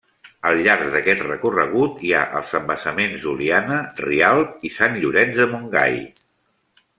Al llarg d'aquest recorregut hi ha els embassaments d'Oliana, Rialb i Sant Llorenç de Montgai.